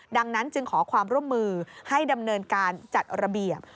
ดังนั้นจึงขอความร่วมมือให้ดำเนินการจัดระเบียบ